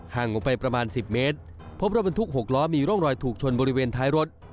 ออกไปประมาณ๑๐เมตรพบรถบรรทุก๖ล้อมีร่องรอยถูกชนบริเวณท้ายรถ